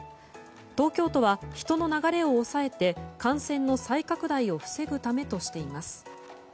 東京都は人の流れを抑えて感染の再拡大を防ぐためとしています。